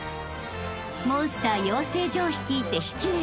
［モンスター養成所を率いて７年］